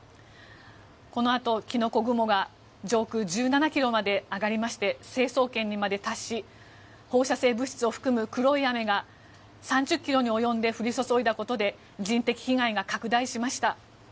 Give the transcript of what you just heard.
このあと、キノコ雲が上空１７ｋｍまで上がりまして成層圏にまで達し放射性物質を含む黒い雨が３０ｋｍに及んで降り注いだことで人的被害が拡大しました。